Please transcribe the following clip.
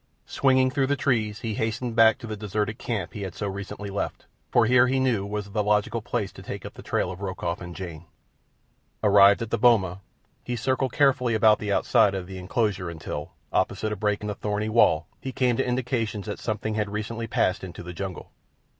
Swinging through the trees, he hastened back to the deserted camp he had so recently left, for here, he knew, was the logical place to take up the trail of Rokoff and Jane. Arrived at the boma, he circled carefully about the outside of the enclosure until, opposite a break in the thorny wall, he came to indications that something had recently passed into the jungle.